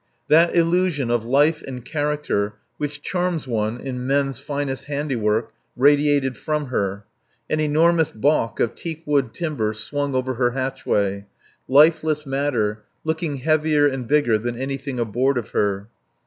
That illusion of life and character which charms one in men's finest handiwork radiated from her. An enormous bulk of teak wood timber swung over her hatchway; lifeless matter, looking heavier and bigger than anything aboard of her.